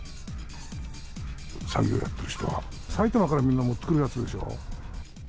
作業やってる人は、埼玉からみんな持ってくるやつでしょう。